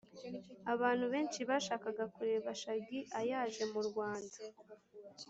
Abantu benshi bashakaga kureba shagi ayaje mu Rwanda